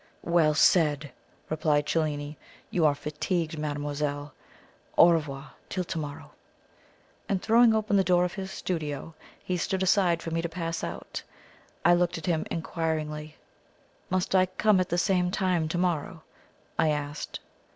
"Well said!" replied Cellini; "you are fatigued, mademoiselle. Au revoir! Till to morrow!" And, throwing open the door of his studio, he stood aside for me to pass out. I looked at him inquiringly. "Must I come at the same time to morrow?" I asked.